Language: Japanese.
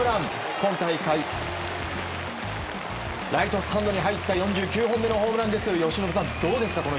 今大会、ライトスタンドへ入った４９本目のホームラン由伸さんどうですか？